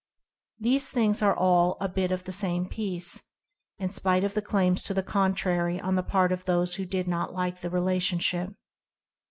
These things are all a "bit off the same piece," in spite of the claims to the contrary on the part of those who did not like the relationship.